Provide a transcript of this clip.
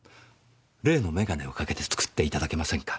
例の眼鏡をかけて作っていただけませんか？